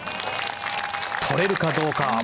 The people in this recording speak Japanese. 取れるかどうか。